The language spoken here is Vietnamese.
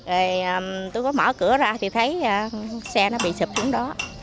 rồi tôi có mở cửa ra thì thấy xe nó bị sụp xuống đó